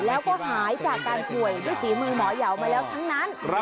แล้วก็หายจากการป่วยด้วยฝีมือหมอยาวมาแล้วทั้งนั้น